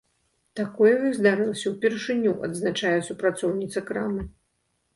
Такое ў іх здарылася ўпершыню, адзначае супрацоўніца крамы.